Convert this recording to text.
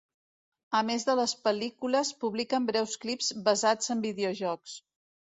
A més de les pel·lícules, publiquen breus clips basats en videojocs.